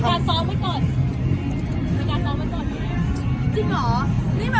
เขาก็บอกเหมือนน่ารักดีเนอะ